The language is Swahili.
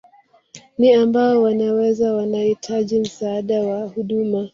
Ni ambao wanaweza wanahitaji msaada na huduma